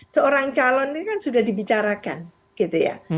seorang calon ini kan sudah dibicarakan gitu ya